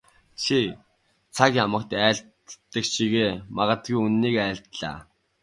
Чи цаг ямагт айлддаг шигээ мадаггүй үнэнийг айлдлаа.